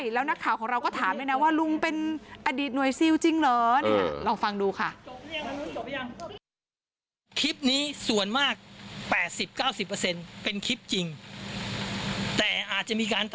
แล้วนักข่าวของเราก็ถามเลยนะว่าลุงเป็นอดีตหน่วยซิ้วจริงเหรอ